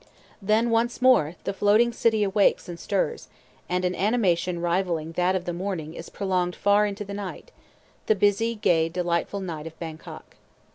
Then once more the floating city awakes and stirs, and an animation rivalling that of the morning is prolonged far into the night, the busy, gay, delightful night of Bangkok.